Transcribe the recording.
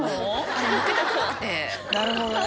なるほどね。